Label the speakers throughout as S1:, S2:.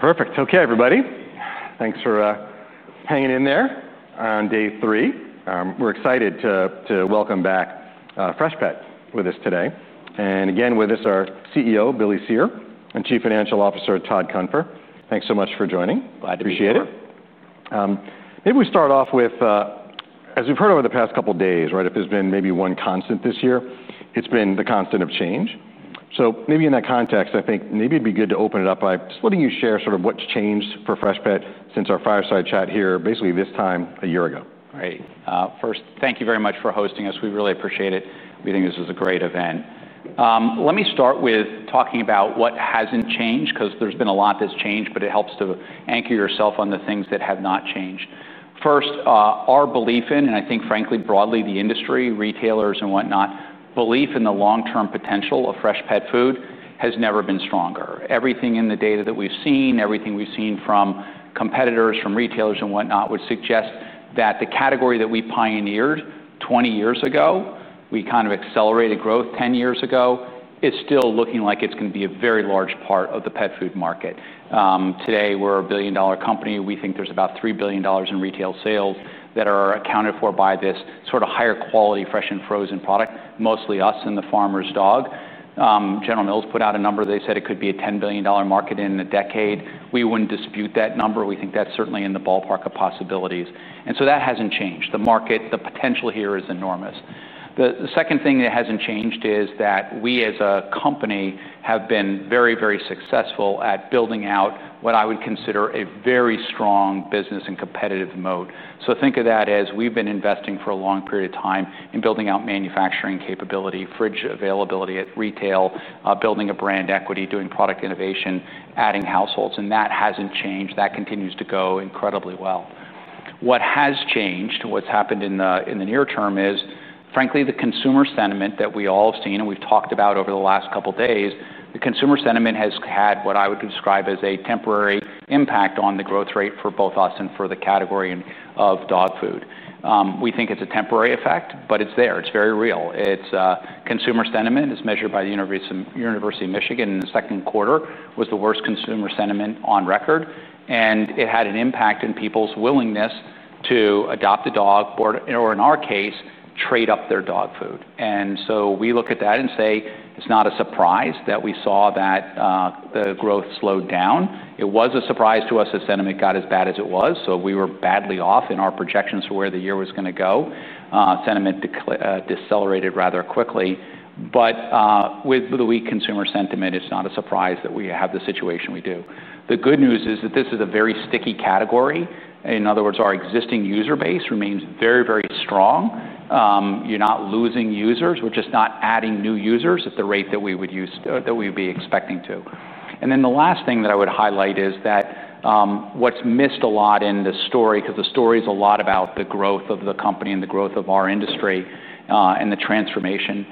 S1: Perfect. Okay, everybody. Thanks for hanging in there on day three. We're excited to welcome back Freshpet with us today. Again, with us are CEO Billy Cyr and Chief Financial Officer Todd Cunfer. Thanks so much for joining.
S2: Glad to be here.
S1: Maybe we start off with, as we've heard over the past couple of days, right? If there's been maybe one constant this year, it's been the constant of change. In that context, I think maybe it'd be good to open it up by just letting you share sort of what's changed for Freshpet since our fireside chat here, basically this time a year ago.
S2: Right. First, thank you very much for hosting us. We really appreciate it. We think this is a great event. Let me start with talking about what hasn't changed because there's been a lot that's changed, but it helps to anchor yourself on the things that have not changed. First, our belief in, and I think frankly, broadly the industry, retailers, and whatnot, belief in the long-term potential of fresh pet food has never been stronger. Everything in the data that we've seen, everything we've seen from competitors, from retailers, and whatnot would suggest that the category that we pioneered 20 years ago, we kind of accelerated growth 10 years ago, is still looking like it's going to be a very large part of the pet food market. Today we're a billion-dollar company. We think there's about $3 billion in retail sales that are accounted for by this sort of higher quality fresh and frozen product, mostly us and The Farmer's Dog. General Mills put out a number. They said it could be a $10 billion market in a decade. We wouldn't dispute that number. We think that's certainly in the ballpark of possibilities. That hasn't changed. The market, the potential here is enormous. The second thing that hasn't changed is that we as a company have been very, very successful at building out what I would consider a very strong business and competitive moat. Think of that as we've been investing for a long period of time in building out manufacturing capability, fridge availability at retail, building brand equity, doing product innovation, adding households, and that hasn't changed. That continues to go incredibly well. What has changed, what's happened in the near term is, frankly, the consumer sentiment that we all have seen and we've talked about over the last couple of days, the consumer sentiment has had what I would describe as a temporary impact on the growth rate for both us and for the category of dog food. We think it's a temporary effect, but it's there. It's very real. Consumer sentiment is measured by the University of Michigan. In the second quarter, it was the worst consumer sentiment on record. It had an impact in people's willingness to adopt a dog, or in our case, trade up their dog food. We look at that and say it's not a surprise that we saw that, the growth slowed down. It was a surprise to us that sentiment got as bad as it was. We were badly off in our projections for where the year was going to go. Sentiment decelerated rather quickly. With the weak consumer sentiment, it's not a surprise that we have the situation we do. The good news is that this is a very sticky category. In other words, our existing user base remains very, very strong. We're not losing users. We're just not adding new users at the rate that we would use, that we'd be expecting to. The last thing that I would highlight is that what's missed a lot in the story, because the story is a lot about the growth of the company and the growth of our industry, and the transformation.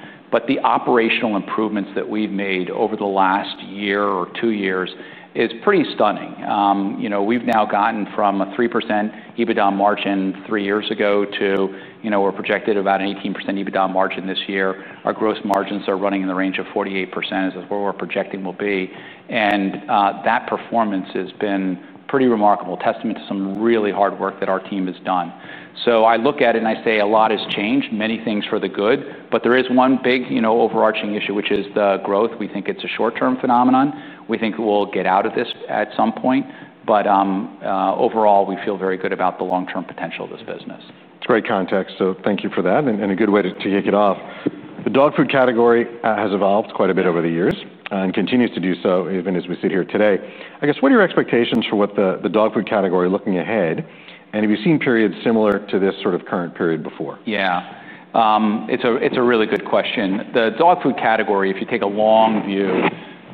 S2: The operational improvements that we've made over the last year or two years are pretty stunning. We've now gotten from a 3% EBITDA margin three years ago to, you know, we're projected about an 18% EBITDA margin this year. Our gross margins are running in the range of 48%, which is where we're projecting we'll be. That performance has been pretty remarkable, testament to some really hard work that our team has done. I look at it and I say a lot has changed, many things for the good, but there is one big, you know, overarching issue, which is the growth. We think it's a short-term phenomenon. We think we'll get out of this at some point. Overall, we feel very good about the long-term potential of this business.
S1: It's great context. Thank you for that. A good way to kick it off. The dog food category has evolved quite a bit over the years and continues to do so even as we sit here today. I guess what are your expectations for what the dog food category is looking ahead? Have you seen periods similar to this sort of current period before?
S2: Yeah, it's a really good question. The dog food category, if you take a long view,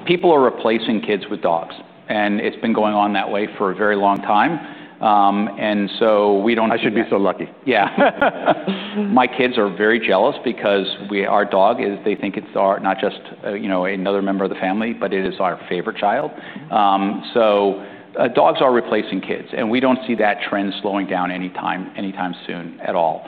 S2: people are replacing kids with dogs. It's been going on that way for a very long time, and we don't.
S1: I should be so lucky.
S2: Yeah. My kids are very jealous because our dog is, they think it's not just, you know, another member of the family, but it is our favorite child. Dogs are replacing kids. We don't see that trend slowing down anytime soon at all.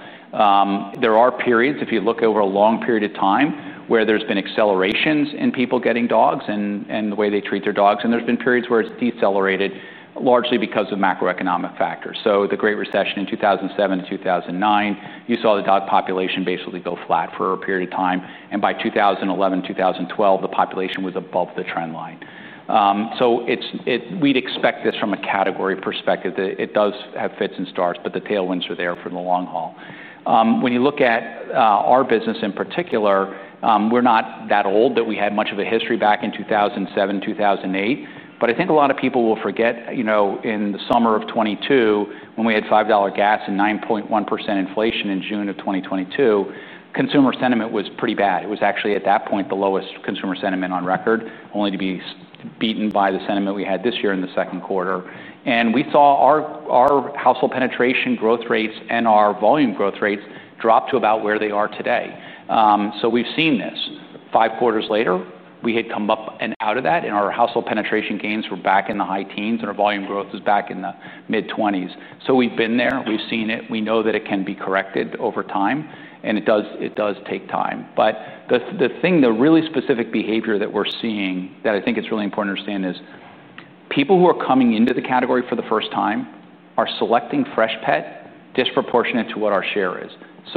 S2: There are periods, if you look over a long period of time, where there's been accelerations in people getting dogs and the way they treat their dogs. There have been periods where it's decelerated largely because of macroeconomic factors. The Great Recession in 2007 and 2009, you saw the dog population basically go flat for a period of time. By 2011, 2012, the population was above the trend line. We'd expect this from a category perspective that it does have fits and starts, but the tailwinds are there for the long haul. When you look at our business in particular, we're not that old that we had much of a history back in 2007, 2008. I think a lot of people will forget, you know, in the summer of 2022, when we had $5 gas and 9.1% inflation in June of 2022, consumer sentiment was pretty bad. It was actually at that point the lowest consumer sentiment on record, only to be beaten by the sentiment we had this year in the second quarter. We saw our household penetration growth rates and our volume growth rates drop to about where they are today. We've seen this. Five quarters later, we had come up and out of that, and our household penetration gains were back in the high teens, and our volume growth was back in the mid-20s. We've been there, we've seen it, we know that it can be corrected over time, and it does take time. The thing, the really specific behavior that we're seeing that I think it's really important to understand is people who are coming into the category for the first time are selecting Freshpet disproportionate to what our share is.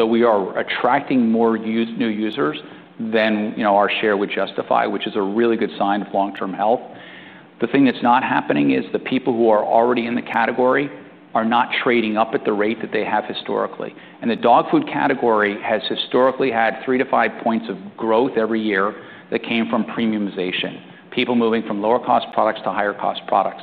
S2: We are attracting more new users than, you know, our share would justify, which is a really good sign of long-term health. The thing that's not happening is the people who are already in the category are not trading up at the rate that they have historically. The dog food category has historically had three to five points of growth every year that came from premiumization, people moving from lower-cost products to higher-cost products.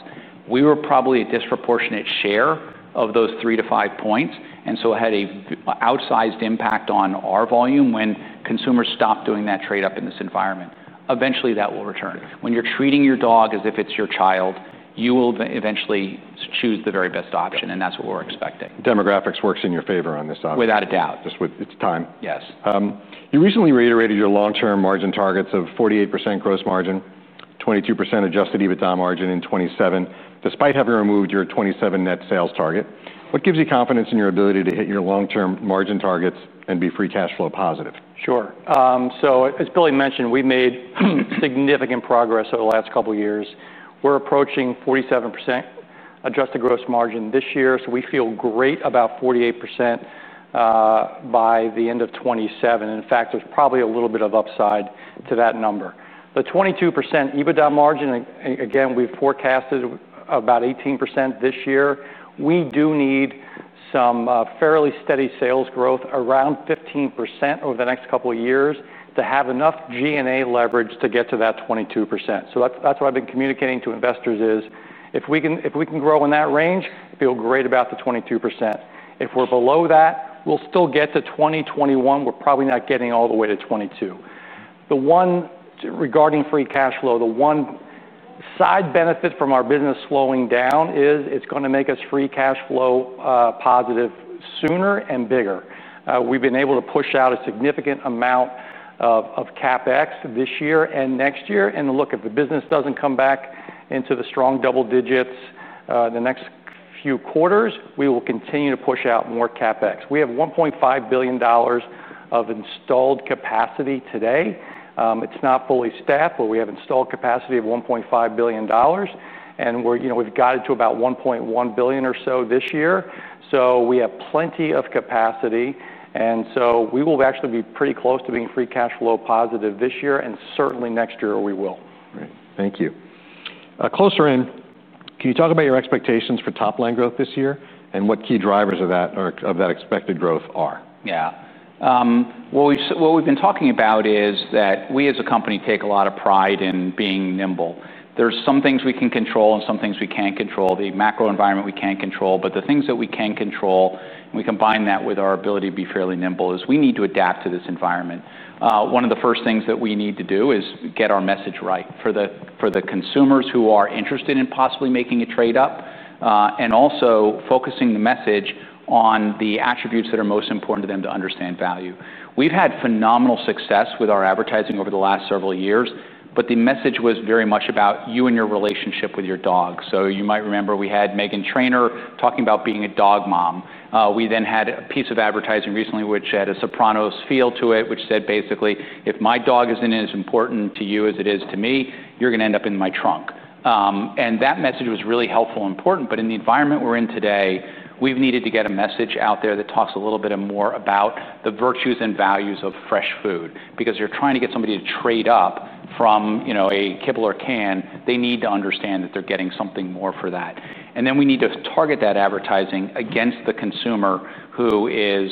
S2: We were probably a disproportionate share of those three to five points. It had an outsized impact on our volume when consumers stopped doing that trade-up in this environment. Eventually, that will return. When you're treating your dog as if it's your child, you will eventually choose the very best option. That's what we're expecting.
S1: Demographics work in your favor on this option.
S2: Without a doubt.
S1: It's time.
S2: Yes.
S1: You recently reiterated your long-term margin targets of 48% gross margin, 22% adjusted EBITDA margin in 2027, despite having removed your 2027 net sales target. What gives you confidence in your ability to hit your long-term margin targets and be free cash flow positive?
S3: Sure. As Billy mentioned, we've made significant progress over the last couple of years. We're approaching 47% adjusted gross margin this year. We feel great about 48% by the end of 2027. In fact, there's probably a little bit of upside to that number. The 22% EBITDA margin, again, we've forecasted about 18% this year. We do need some fairly steady sales growth around 15% over the next couple of years to have enough G&A leverage to get to that 22%. That's what I've been communicating to investors: if we can grow in that range, I feel great about the 22%. If we're below that, we'll still get to 2021. We're probably not getting all the way to 22%. The one regarding free cash flow, the one side benefit from our business slowing down is it's going to make us free cash flow positive sooner and bigger. We've been able to push out a significant amount of CapEx this year and next year. If the business doesn't come back into the strong double digits the next few quarters, we will continue to push out more CapEx. We have $1.5 billion of installed capacity today. It's not fully staffed, but we have installed capacity of $1.5 billion. We've got it to about $1.1 billion or so this year. We have plenty of capacity. We will actually be pretty close to being free cash flow positive this year. Certainly next year, we will.
S1: Great. Thank you. Closer in, can you talk about your expectations for top line growth this year, and what key drivers of that expected growth are?
S2: Yeah. What we've been talking about is that we as a company take a lot of pride in being nimble. There are some things we can control and some things we can't control, the macro environment we can't control, but the things that we can control, and we combine that with our ability to be fairly nimble, is we need to adapt to this environment. One of the first things that we need to do is get our message right for the consumers who are interested in possibly making a trade-up and also focusing the message on the attributes that are most important to them to understand value. We've had phenomenal success with our advertising over the last several years, but the message was very much about you and your relationship with your dog. You might remember we had Meghan Trainor talking about being a dog mom. We then had a piece of advertising recently, which had a Sopranos feel to it, which said basically, if my dog isn't as important to you as it is to me, you're going to end up in my trunk. That message was really helpful and important. In the environment we're in today, we've needed to get a message out there that talks a little bit more about the virtues and values of fresh food. Because you're trying to get somebody to trade up from a kibble or can, they need to understand that they're getting something more for that. We need to target that advertising against the consumer who is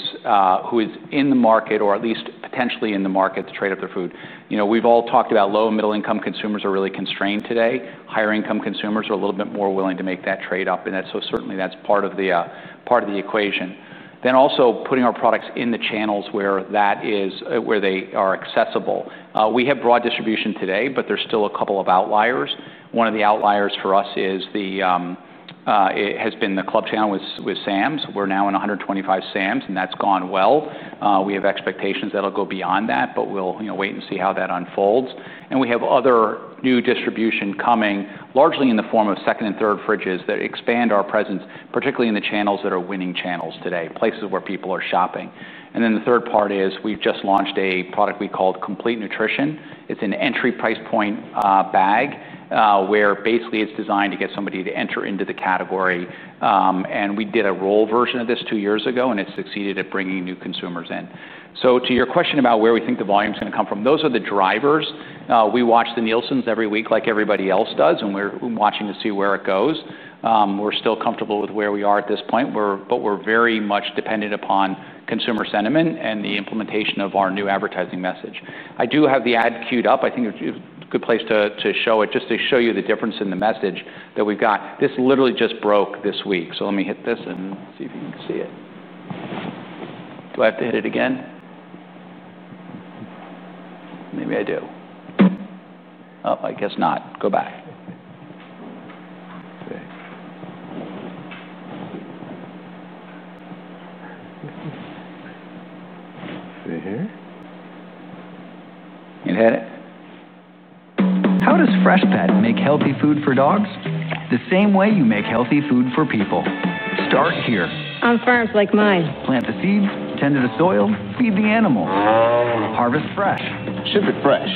S2: in the market, or at least potentially in the market to trade up their food. We've all talked about low and middle-income consumers are really constrained today. Higher-income consumers are a little bit more willing to make that trade-up. That's certainly part of the equation. Also, putting our products in the channels where they are accessible. We have broad distribution today, but there are still a couple of outliers. One of the outliers for us has been the club channel with Sam’s. We're now in 125 Sam’s, and that's gone well. We have expectations that'll go beyond that, but we'll wait and see how that unfolds. We have other new distribution coming largely in the form of second and third fridges that expand our presence, particularly in the channels that are winning channels today, places where people are shopping. The third part is we've just launched a product we called Complete Nutrition. It's an entry price point bag where basically it's designed to get somebody to enter into the category. We did a roll version of this two years ago, and it succeeded at bringing new consumers in. To your question about where we think the volume is going to come from, those are the drivers. We watch the Nielsen's every week like everybody else does, and we're watching to see where it goes. We're still comfortable with where we are at this point, but we're very much dependent upon consumer sentiment and the implementation of our new advertising message. I do have the ad queued up. I think it's a good place to show it, just to show you the difference in the message that we've got. This literally just broke this week. Let me hit this and see if you can see it. Do I have to hit it again? Maybe I do. I guess not. Go back.
S1: See here?
S4: How does Freshpet make healthy food for dogs? The same way you make healthy food for people. Start here.
S5: On farms like mine.
S4: Plant the seed, tender the soil, feed the animal.
S6: Harvest fresh. Ship it fresh.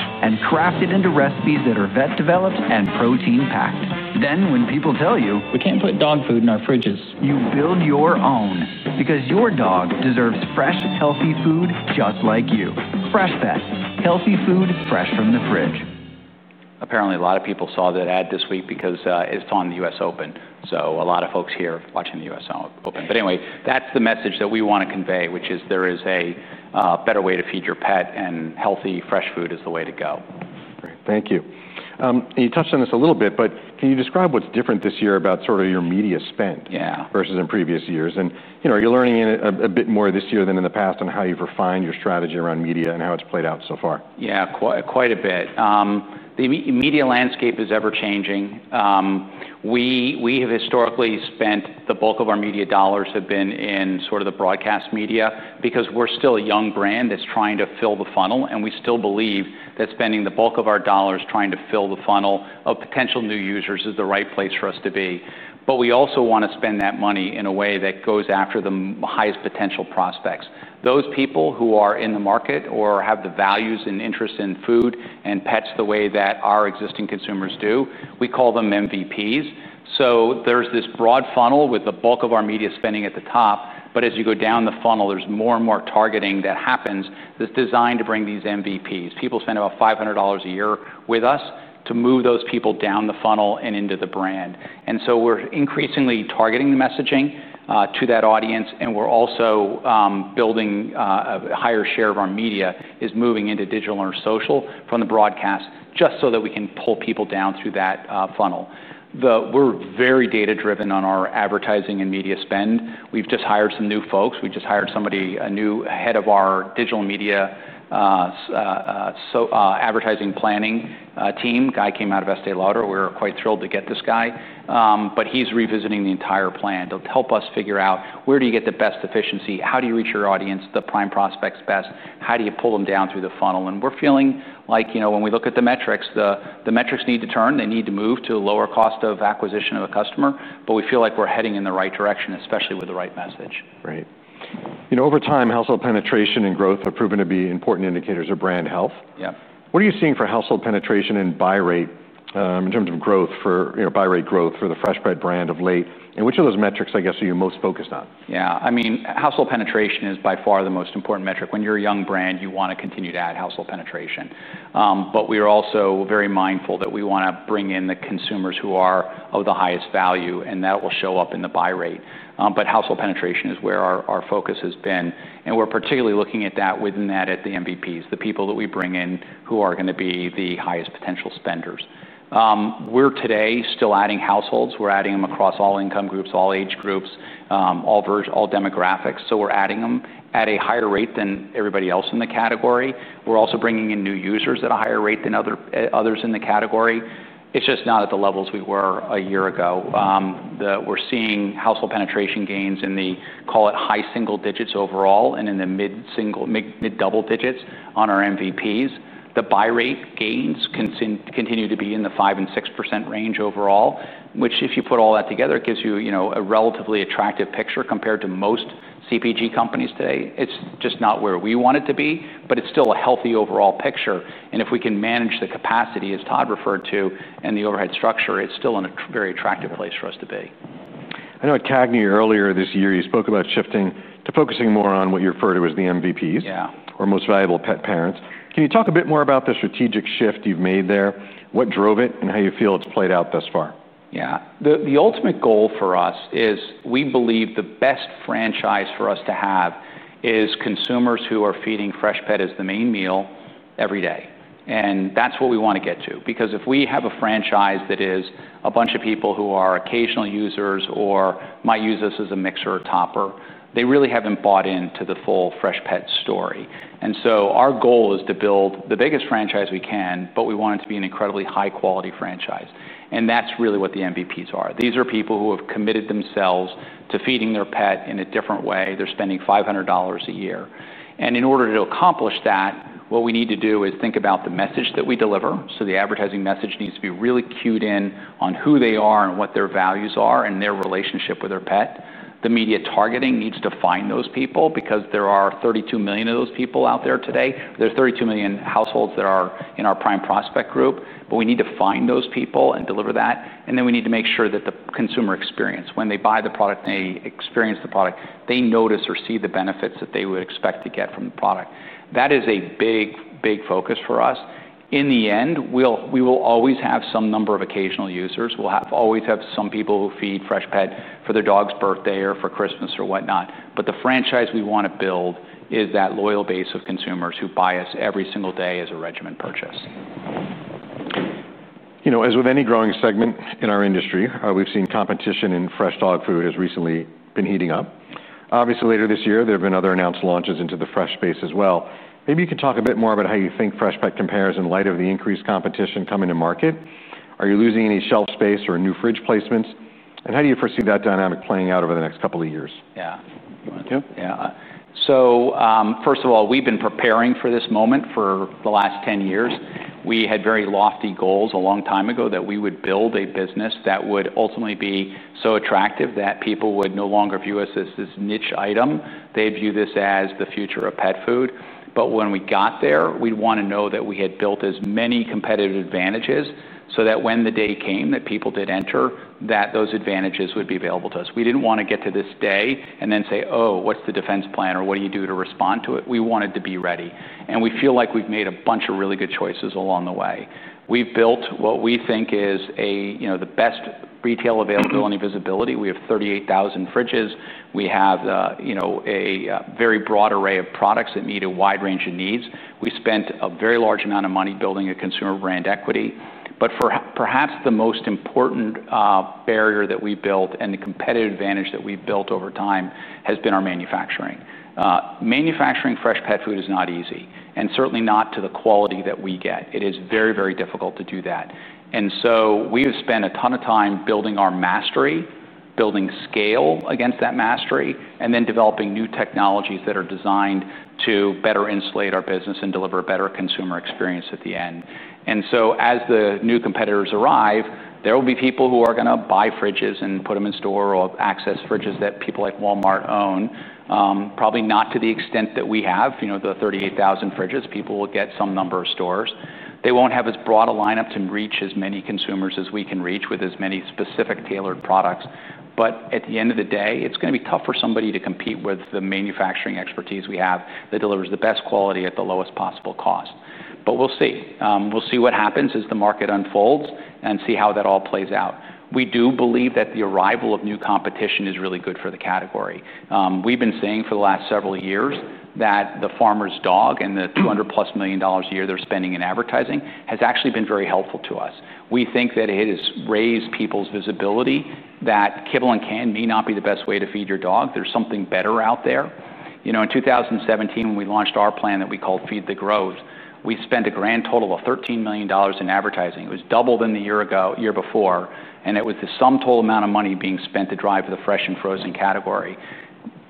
S6: Craft it into recipes that are vet-developed and protein-packed. When people tell you, "We can't put dog food in our fridges," you build your own because your dog deserves fresh, healthy food just like you. Freshpet. Healthy food fresh from the fridge.
S2: Apparently, a lot of people saw that ad this week because it's on the U.S. Open. A lot of folks here are watching the U.S. Open. That's the message that we want to convey, which is there is a better way to feed your pet, and healthy, fresh food is the way to go.
S1: Thank you. You touched on this a little bit, but can you describe what's different this year about sort of your media spend versus in previous years? Are you learning a bit more this year than in the past on how you've refined your strategy around media and how it's played out so far?
S2: Yeah, quite a bit. The media landscape is ever-changing. We have historically spent the bulk of our media dollars in sort of the broadcast media because we're still a young brand that's trying to fill the funnel. We still believe that spending the bulk of our dollars trying to fill the funnel of potential new users is the right place for us to be. We also want to spend that money in a way that goes after the highest potential prospects, those people who are in the market or have the values and interest in food and pets the way that our existing consumers do. We call them MVPs. There's this broad funnel with the bulk of our media spending at the top. As you go down the funnel, there's more and more targeting that happens that's designed to bring these MVPs, people who spend about $500 a year with us, to move those people down the funnel and into the brand. We're increasingly targeting the messaging to that audience. We're also building a higher share of our media moving into digital and social channels from the broadcast just so that we can pull people down through that funnel. We're very data-driven on our advertising and media spend. We've just hired some new folks. We just hired somebody, a new head of our digital media advertising planning team. The guy came out of Estée Lauder. We were quite thrilled to get this guy. He's revisiting the entire plan to help us figure out where do you get the best efficiency, how do you reach your audience, the prime prospects best, how do you pull them down through the funnel. We're feeling like, you know, when we look at the metrics, the metrics need to turn. They need to move to a lower cost of acquisition of a customer. We feel like we're heading in the right direction, especially with the right message.
S1: Right. You know, over time, household penetration and growth have proven to be important indicators of brand health.
S2: Yeah.
S1: What are you seeing for household penetration and buy rate in terms of growth for buy rate growth for the Freshpet brand of late? Which of those metrics, I guess, are you most focused on?
S2: Yeah, I mean, household penetration is by far the most important metric. When you're a young brand, you want to continue to add household penetration. We are also very mindful that we want to bring in the consumers who are of the highest value, and that will show up in the buy rate. Household penetration is where our focus has been. We're particularly looking at that within that at the MVPs, the people that we bring in who are going to be the highest potential spenders. We're today still adding households. We're adding them across all income groups, all age groups, all demographics. We're adding them at a higher rate than everybody else in the category. We're also bringing in new users at a higher rate than others in the category. It's just not at the levels we were a year ago. We're seeing household penetration gains in the, call it, high single digits overall and in the mid double digits on our MVPs. The buy rate gains continue to be in the 5% and 6% range overall, which, if you put all that together, gives you a relatively attractive picture compared to most CPG companies today. It's just not where we want it to be, but it's still a healthy overall picture. If we can manage the capacity, as Todd referred to, and the overhead structure, it's still in a very attractive place for us to be.
S1: I know at Cagney earlier this year, you spoke about shifting to focusing more on what you referred to as the MVPs, or most valuable pet parents. Can you talk a bit more about the strategic shift you've made there? What drove it and how you feel it's played out thus far?
S2: Yeah, the ultimate goal for us is we believe the best franchise for us to have is consumers who are feeding Freshpet as the main meal every day. That's what we want to get to, because if we have a franchise that is a bunch of people who are occasional users or might use us as a mixer or topper, they really haven't bought into the full Freshpet story. Our goal is to build the biggest franchise we can, but we want it to be an incredibly high-quality franchise. That's really what the MVPs are. These are people who have committed themselves to feeding their pet in a different way. They're spending $500 a year. In order to accomplish that, what we need to do is think about the message that we deliver. The advertising message needs to be really cued in on who they are and what their values are and their relationship with their pet. The media targeting needs to find those people because there are 32 million of those people out there today. There are 32 million households that are in our prime prospect group, but we need to find those people and deliver that. We need to make sure that the consumer experience, when they buy the product and they experience the product, they notice or see the benefits that they would expect to get from the product. That is a big, big focus for us. In the end, we will always have some number of occasional users. We'll always have some people who feed Freshpet for their dog's birthday or for Christmas or whatnot. The franchise we want to build is that loyal base of consumers who buy us every single day as a regimen purchase.
S1: As with any growing segment in our industry, we've seen competition in fresh dog food has recently been heating up. Obviously, later this year, there have been other announced launches into the fresh space as well. Maybe you could talk a bit more about how you think Freshpet compares in light of the increased competition coming to market. Are you losing any shelf space or new fridge placements? How do you foresee that dynamic playing out over the next couple of years?
S2: Yeah. You want to? Yeah. First of all, we've been preparing for this moment for the last 10 years. We had very lofty goals a long time ago that we would build a business that would ultimately be so attractive that people would no longer view us as this niche item. They'd view this as the future of pet food. When we got there, we'd want to know that we had built as many competitive advantages so that when the day came that people did enter, those advantages would be available to us. We didn't want to get to this day and then say, "Oh, what's the defense plan?" or "What do you do to respond to it?" We wanted to be ready. We feel like we've made a bunch of really good choices along the way. We've built what we think is the best retail availability and visibility. We have 38,000 fridges. We have a very broad array of products that meet a wide range of needs. We spent a very large amount of money building consumer brand equity. Perhaps the most important barrier that we built and the competitive advantage that we've built over time has been our manufacturing. Manufacturing fresh pet food is not easy, and certainly not to the quality that we get. It is very, very difficult to do that. We have spent a ton of time building our mastery, building scale against that mastery, and then developing new technologies that are designed to better insulate our business and deliver a better consumer experience at the end. As the new competitors arrive, there will be people who are going to buy fridges and put them in store or access fridges that people like Walmart own. Probably not to the extent that we have, you know, the 38,000 fridges. People will get some number of stores. They won't have as broad a lineup to reach as many consumers as we can reach with as many specific tailored products. At the end of the day, it's going to be tough for somebody to compete with the manufacturing expertise we have that delivers the best quality at the lowest possible cost. We'll see. We'll see what happens as the market unfolds and see how that all plays out. We do believe that the arrival of new competition is really good for the category. We've been saying for the last several years that the farmer's dog and the $200+ million a year they're spending in advertising has actually been very helpful to us. We think that it has raised people's visibility that kibble and can may not be the best way to feed your dog. There's something better out there. In 2017, when we launched our plan that we called Feed the Growth, we spent a grand total of $13 million in advertising. It was double the year before, and it was the sum total amount of money being spent to drive the fresh and frozen category.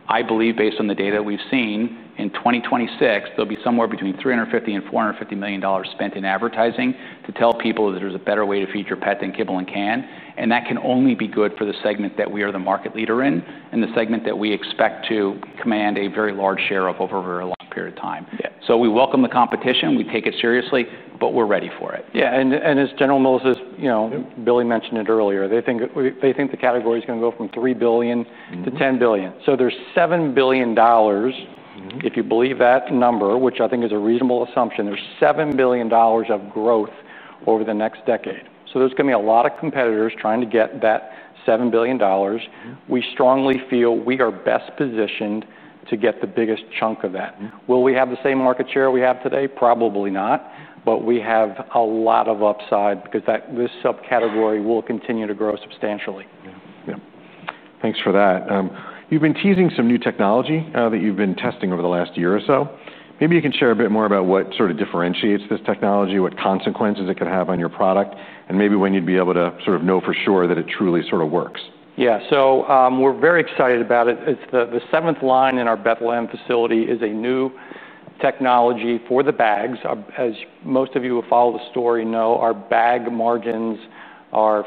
S2: I believe, based on the data we've seen, in 2026, there will be somewhere between $350 million and $450 million spent in advertising to tell people that there's a better way to feed your pet than kibble and can. That can only be good for the segment that we are the market leader in and the segment that we expect to command a very large share of over a very long period of time. We welcome the competition. We take it seriously, but we're ready for it.
S3: Yeah, and as General Mills has, you know, Billy mentioned it earlier, they think the category is going to go from $3 billion- $10 billion. There's $7 billion, if you believe that number, which I think is a reasonable assumption, there's $7 billion of growth over the next decade. There's going to be a lot of competitors trying to get that $7 billion. We strongly feel we are best positioned to get the biggest chunk of that. Will we have the same market share we have today? Probably not. We have a lot of upside because this subcategory will continue to grow substantially. Thanks for that.
S1: You've been teasing some new technology that you've been testing over the last year or so. Maybe you can share a bit more about what sort of differentiates this technology, what consequences it could have on your product, and maybe when you'd be able to sort of know for sure that it truly sort of works.
S2: Yeah, so we're very excited about it. It's the seventh line in our Bethlehem facility. It's a new technology for the bags. As most of you who follow the story know, our bag margins are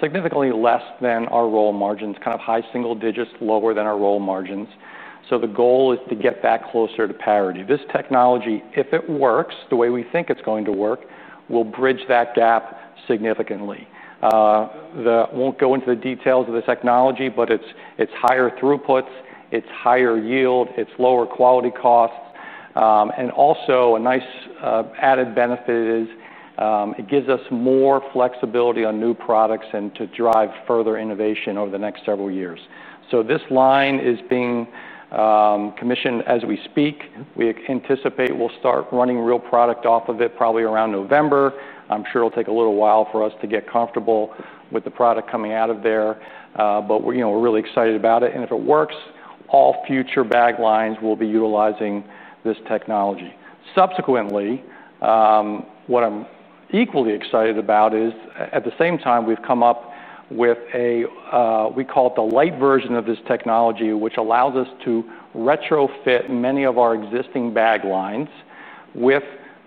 S2: significantly less than our roll margins, kind of high single digits, lower than our roll margins. The goal is to get that closer to parity. This technology, if it works the way we think it's going to work, will bridge that gap significantly. I won't go into the details of the technology, but it's higher throughputs, it's higher yield, it's lower quality costs. Also, a nice added benefit is it gives us more flexibility on new products and to drive further innovation over the next several years. This line is being commissioned as we speak. We anticipate we'll start running real product off of it probably around November. I'm sure it'll take a little while for us to get comfortable with the product coming out of there. We're really excited about it. If it works, all future bag lines will be utilizing this technology. Subsequently, what I'm equally excited about is at the same time, we've come up with a, we call it the light version of this technology, which allows us to retrofit many of our existing bag lines with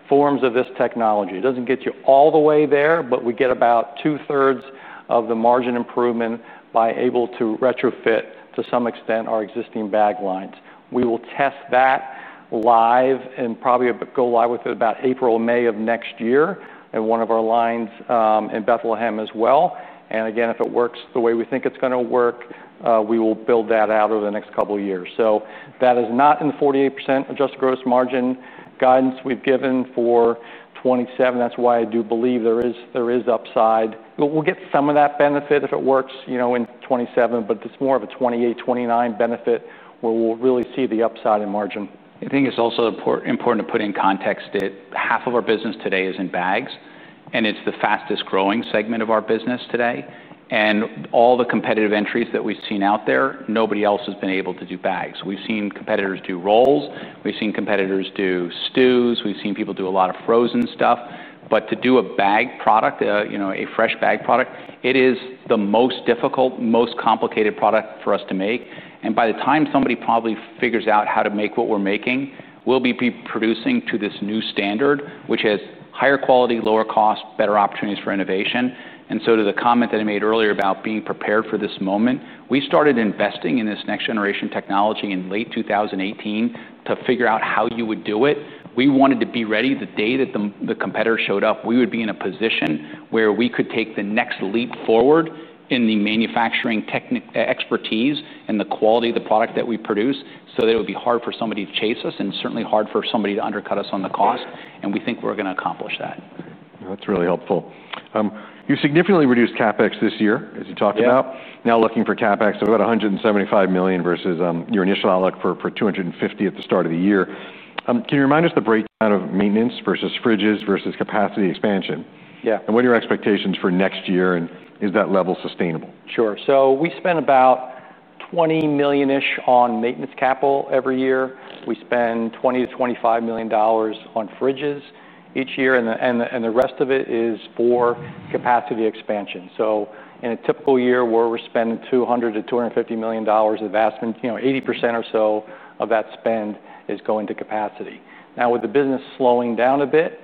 S2: forms of this technology. It doesn't get you all the way there, but we get about two-thirds of the margin improvement by being able to retrofit to some extent our existing bag lines. We will test that live and probably go live with it about April or May of next year in one of our lines in Bethlehem as well. If it works the way we think it's going to work, we will build that out over the next couple of years. That is not in the 48% adjusted gross margin guidance we've given for 2027. That's why I do believe there is upside. We'll get some of that benefit if it works, you know, in 2027, but it's more of a 2028, 2029 benefit where we'll really see the upside in margin. I think it's also important to put in context that half of our business today is in bags, and it's the fastest growing segment of our business today. All the competitive entries that we've seen out there, nobody else has been able to do bags. We've seen competitors do rolls. We've seen competitors do stews. We've seen people do a lot of frozen stuff. To do a bag product, you know, a fresh bag product, it is the most difficult, most complicated product for us to make. By the time somebody probably figures out how to make what we're making, we'll be producing to this new standard, which has higher quality, lower cost, better opportunities for innovation. To the comment that I made earlier about being prepared for this moment, we started investing in this next-generation technology in late 2018 to figure out how you would do it. We wanted to be ready the day that the competitor showed up. We would be in a position where we could take the next leap forward in the manufacturing expertise and the quality of the product that we produce so that it would be hard for somebody to chase us and certainly hard for somebody to undercut us on the cost. We think we're going to accomplish that.
S1: That's really helpful. You significantly reduced CapEx this year, as you talked about. Now looking for CapEx of about $175 million versus your initial outlook for $250 million at the start of the year. Can you remind us the breakdown of maintenance versus fridges versus capacity expansion?
S2: Yeah.
S1: What are your expectations for next year, and is that level sustainable?
S2: Sure. We spend about $20 million on maintenance capital every year. We spend $20 million- $25 million on fridges each year, and the rest of it is for capacity expansion. In a typical year, we're spending $200 million- $250 million of that, and 80% or so of that spend is going to capacity. Now, with the business slowing down a bit,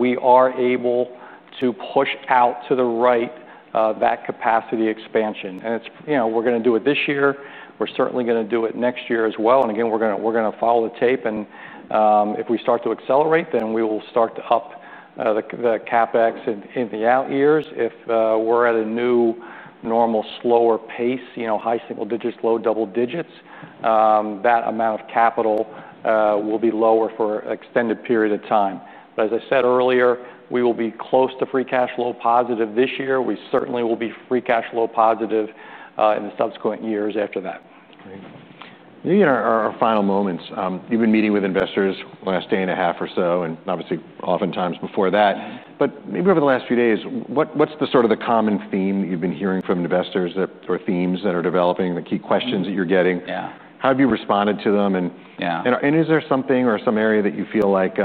S2: we are able to push out to the right that capacity expansion. We're going to do it this year. We're certainly going to do it next year as well. Again, we're going to follow the tape. If we start to accelerate, then we will start to up the CapEx in the out years. If we're at a new normal slower pace, high single digits, low double digits, that amount of capital will be lower for an extended period of time. As I said earlier, we will be close to free cash flow positive this year. We certainly will be free cash flow positive in the subsequent years after that.
S1: Great. Maybe in our final moments, you've been meeting with investors the last day and a half or so, and obviously oftentimes before that. Over the last few days, what's the sort of the common theme that you've been hearing from investors or themes that are developing, the key questions that you're getting?
S2: Yeah.
S1: How have you responded to them?
S2: Yeah.
S1: Is there something or some area that you feel like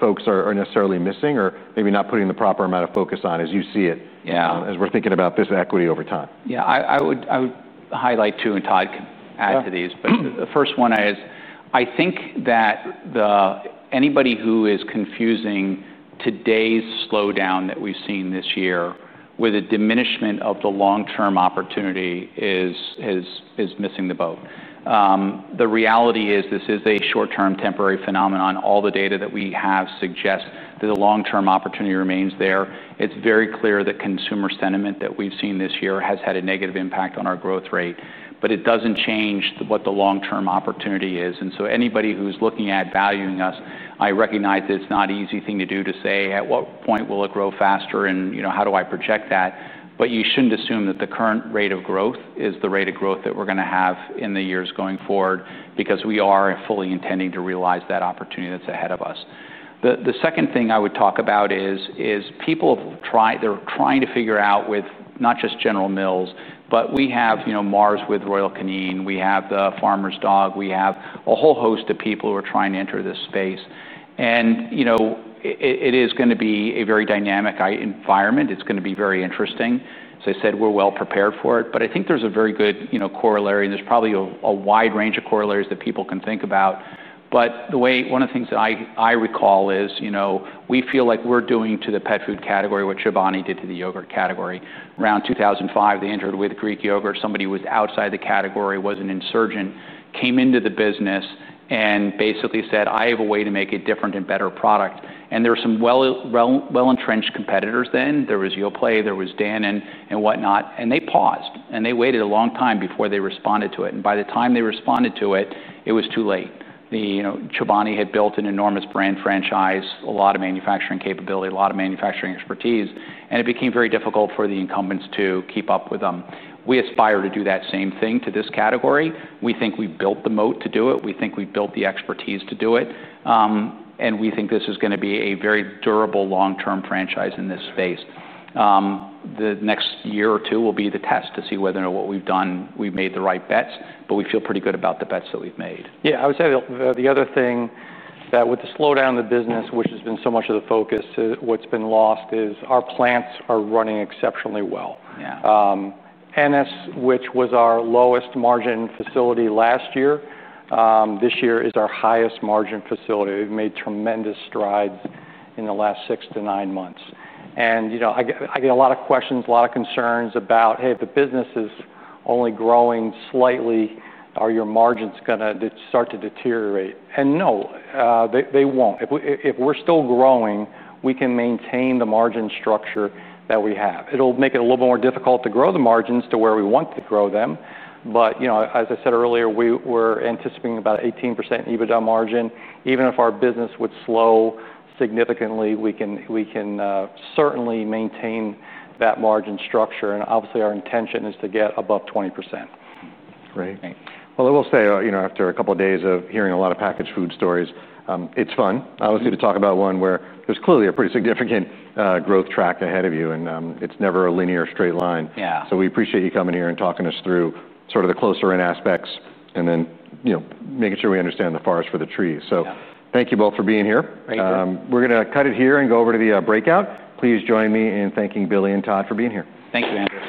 S1: folks are necessarily missing or maybe not putting the proper amount of focus on as you see it?
S2: Yeah.
S1: As we're thinking about this brand equity over time.
S2: Yeah, I would highlight two and Todd can add to these. The first one is I think that anybody who is confusing today's slowdown that we've seen this year with a diminishment of the long-term opportunity is missing the boat. The reality is this is a short-term temporary phenomenon. All the data that we have suggests that the long-term opportunity remains there. It's very clear that consumer sentiment that we've seen this year has had a negative impact on our growth rate. It doesn't change what the long-term opportunity is. Anybody who's looking at valuing us, I recognize that it's not an easy thing to do to say at what point will it grow faster and how do I project that. You shouldn't assume that the current rate of growth is the rate of growth that we're going to have in the years going forward because we are fully intending to realize that opportunity that's ahead of us. The second thing I would talk about is people have tried, they're trying to figure out with not just General Mills, but we have Mars with Royal Canin. We have The Farmer's Dog. We have a whole host of people who are trying to enter this space. It is going to be a very dynamic environment. It's going to be very interesting. As I said, we're well prepared for it. I think there's a very good corollary. There's probably a wide range of corollaries that people can think about. The way one of the things that I recall is, you know, we feel like we're doing to the pet food category what Chobani did to the yogurt category. Around 2005, they entered with Greek yogurt. Somebody who was outside the category, was an insurgent, came into the business and basically said, "I have a way to make a different and better product." There were some well-entrenched competitors then. There was Yoplait, there was Danone and whatnot. They paused. They waited a long time before they responded to it. By the time they responded to it, it was too late. Chobani had built an enormous brand franchise, a lot of manufacturing capability, a lot of manufacturing expertise. It became very difficult for the incumbents to keep up with them. We aspire to do that same thing to this category. We think we built the moat to do it. We think we built the expertise to do it. We think this is going to be a very durable long-term franchise in this space. The next year or two will be the test to see whether or not what we've done, we've made the right bets. We feel pretty good about the bets that we've made.
S3: Yeah, I would say the other thing that with the slowdown in the business, which has been so much of the focus, what's been lost is our plants are running exceptionally well.
S2: Yeah. Ennis, which was our lowest margin facility last year, this year is our highest margin facility. They've made tremendous strides in the last six to nine months. I get a lot of questions, a lot of concerns about, "Hey, if the business is only growing slightly, are your margins going to start to deteriorate?" No, they won't. If we're still growing, we can maintain the margin structure that we have. It'll make it a little bit more difficult to grow the margins to where we want to grow them, but as I said earlier, we're anticipating about 18% EBITDA margin. Even if our business would slow significantly, we can certainly maintain that margin structure. Obviously, our intention is to get above 20%.
S1: That's great. After a couple of days of hearing a lot of packaged food stories, it's fun. I always get to talk about one where there's clearly a pretty significant growth track ahead of you. It's never a linear straight line.
S2: Yeah.
S1: We appreciate you coming here and talking us through sort of the closer in aspects, and then, you know, making sure we understand the forest for the trees. Thank you both for being here.
S2: Thank you.
S1: We're going to cut it here and go over to the breakout. Please join me in thanking Billy and Todd for being here.
S2: Thank you, Andrew.